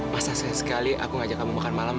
masa saya sekali aku ngajak kamu makan malam